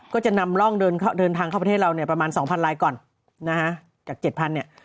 ก็จะนำร่องเดินทางเข้าประเทศเราเนี่ยประมาณ๒๐๐ลายก่อนนะฮะจาก๗๐๐เนี่ย